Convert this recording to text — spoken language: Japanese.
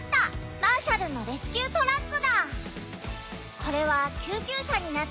マーシャルレスキュートラック！